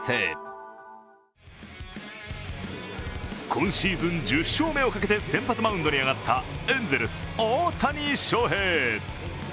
今シーズン１０勝目をかけて先発マウンドに上がったエンゼルス・大谷翔平。